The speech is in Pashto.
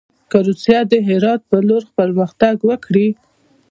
که روسیه د هرات پر لور پرمختګ وکړي.